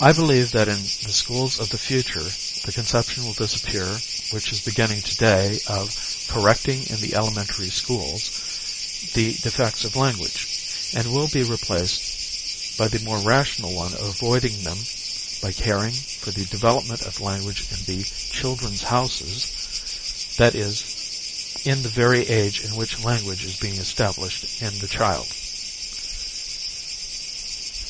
I believe that in the schools of the future the conception will disappear which is beginning to day of "correcting in the elementary schools" the defects of language; and will be replaced by the more rational one of avoiding them by caring for the development of language in the "Children's Houses"; that is, in the very age in which language is being established in the child.